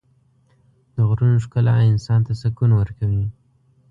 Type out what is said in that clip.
د غرونو ښکلا انسان ته سکون ورکوي.